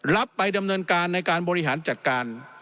รับไปดำเนินการในการบริหารจัดการ